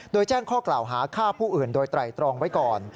โดยแจ้งข้อกล่าวหาฆ่าผู้อื่นโดยไตรตรองไว้ก่อน